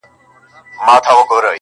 زما کور ته چي راسي زه پر کور يمه.